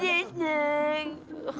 iya ya neng